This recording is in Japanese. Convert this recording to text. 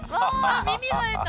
耳生えた！